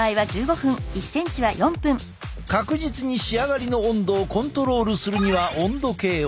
確実に仕上がりの温度をコントロールするには温度計を。